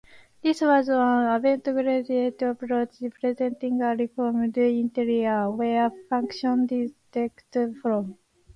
This was an avant-garde approach, presenting a 'reformed interior' where function dictated form.